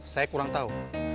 saya kurang tahu